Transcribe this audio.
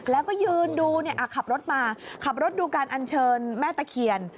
แล้วก็ยืนดูขับรถมาขับรถดูการอัญเชิญแม่ตะเคียน